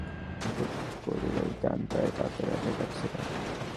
এমনিতে কোনো সমস্যা নেই, কিন্তু বুট পরলেই ডান পায়ের পাতায় ব্যথা পাচ্ছিলেন।